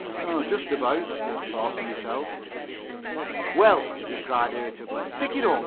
"Just about," thought I to myself. "Well," he cried irritably, "pick it up.